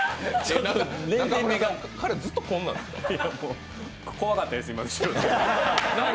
彼、ずっとこんなんですか？